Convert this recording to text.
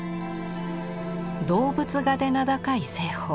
動物画で名高い栖鳳。